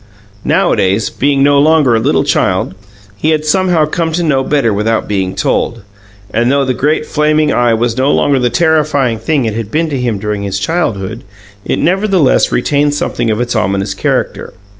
Nowadays, being no longer a little child, he had somehow come to know better without being told, and, though the great flaming Eye was no longer the terrifying thing it had been to him during his childhood, it nevertheless retained something of its ominous character.